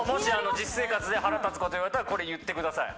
実生活で腹立つこと言われたらこれ言ってください